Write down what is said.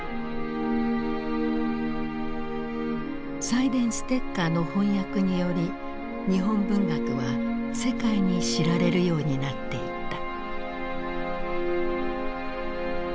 サイデンステッカーの翻訳により日本文学は世界に知られるようになっていった。